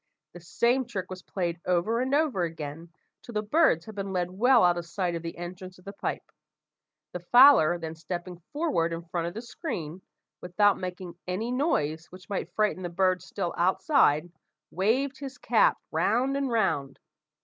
The same trick was played over and over again, till the birds had been led well out of sight of the entrance of the pipe. The fowler then stepping forward in front of the screen, without making any noise which might frighten the birds still outside, waved his cap round and round.